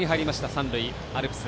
三塁アルプス。